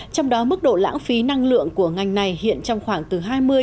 trong đó mức độ lãng phí năng lượng của ngành này hiện trong khoảng từ hai mươi năm mươi